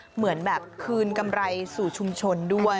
เหมือนแบบคืนกำไรสู่ชุมชนด้วย